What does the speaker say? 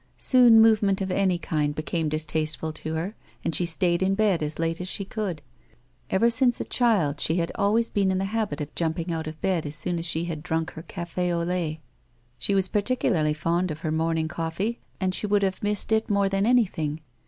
Soon movement of any kind became distasteful to her, and she stayed in bed as late as she could. Ever since a child she had always been in the habit of jumping out of bed as soon as she had drunk her cafe au lait. She was particularly fond of her morning coffee and she would have missed it more than anything.